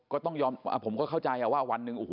ก็ต้องยอมผมก็เข้าใจว่าวันหนึ่งโอ้โห